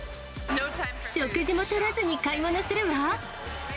食事もとらずに買い物するわ。